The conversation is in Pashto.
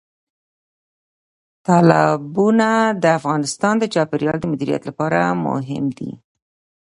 تالابونه د افغانستان د چاپیریال د مدیریت لپاره مهم دي.